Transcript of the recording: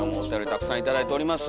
たくさん頂いております。